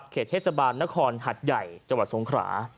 เขตเทศบาลนครหัดใหญ่จังหวัดสงขรา